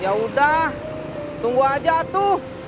yaudah tunggu aja tuh